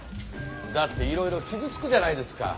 だっていろいろ傷つくじゃないですか。